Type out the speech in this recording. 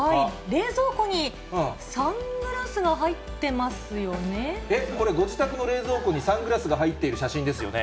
冷蔵庫にサングラスが入ってえっ、これ、ご自宅の冷蔵庫にサングラスが入ってる写真ですよね。